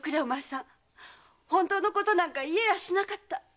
本当のことなんか言えやしなかった！